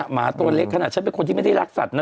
หมาตัวเล็กขนาดฉันเป็นคนที่ไม่ได้รักสัตว์นะ